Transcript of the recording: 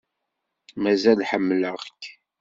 Mazal ḥemmleɣ-k.